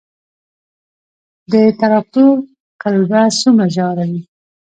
د تراکتور قلبه څومره ژوره وي؟